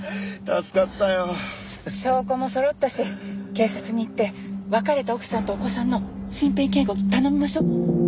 証拠もそろったし警察に行って別れた奥さんとお子さんの身辺警護頼みましょう。